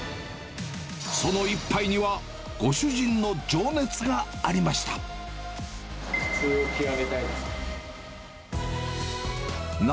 その一杯には、ご主人の情熱普通を極めたいですね。